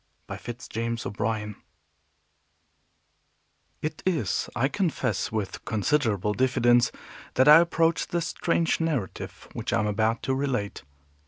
BY FITZ JAMES O'BRIEN It is, I confess, with considerable diffidence, that I approach the strange narrative which I am about to relate.